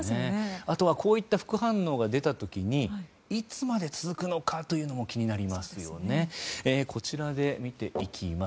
あとは、こういった副反応が出た時にいつまで続くのかもこちらで見ていきます。